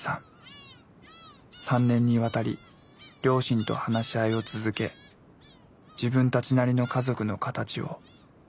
３年にわたり両親と話し合いを続け自分たちなりの家族の形を紡いできた。